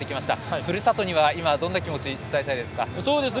ふるさとには、どんな気持ちを伝えたいですか？